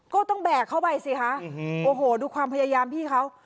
แบกเข้าไปสิคะโอ้โหดูความพยายามพี่เขา